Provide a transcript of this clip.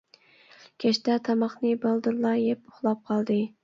كەچتە تاماقنى بالدۇرلا يەپ ئۇخلاپ قالدى.